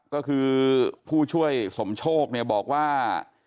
ก็คือผู้ช่วยสมโชคเนี่ยบอกว่า